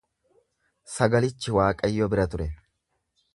Sagalichi Waaqayyo bira ture.